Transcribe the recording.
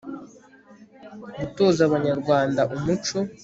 gutoza abanyarwanda umuco